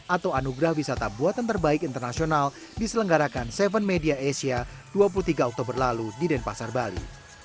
atau anugerah wisata buatan terbaik internasional diselenggarakan tujuh media asia dua puluh tiga oktober lalu di denpasar bali